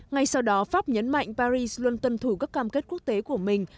ngay sau đó pháp nhấn mạnh paris luôn tuân thủ các cam kết quốc tế của mình